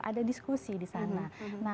ada diskusi di sana